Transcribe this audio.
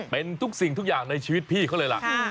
เป็นทุกสิ่งทุกอย่างในชีวิตพี่เขาเลยล่ะ